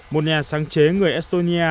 một nhà sáng chế người estonia